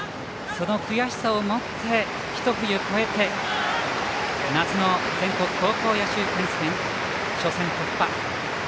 その悔しさを持って、一冬越えて夏の全国高校野球選手権初戦突破。